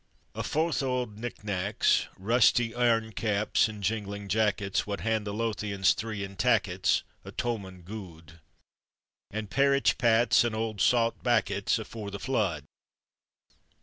A fouth o' auld knick knackets, Rusty airn caps and jinglin' jackets, Wad hand the Lothians three, in tackets, A towmond guid; An' parritch pats, and auld saut backets, Afore the flood.